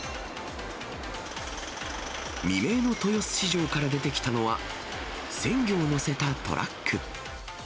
未明の豊洲市場から出てきたのは、鮮魚を載せたトラック。